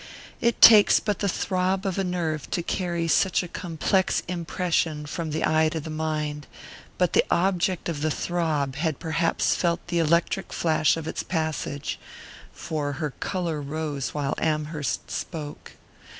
It takes but the throb of a nerve to carry such a complex impression from the eye to the mind, but the object of the throb had perhaps felt the electric flash of its passage, for her colour rose while Amherst spoke.